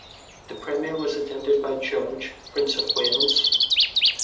The premiere was attended by George Prince of Wales.